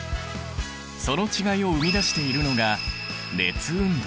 その違いを生み出しているのが熱運動。